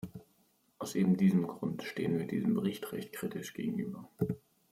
Aus eben diesem Grund stehen wir diesem Bericht recht kritisch gegenüber.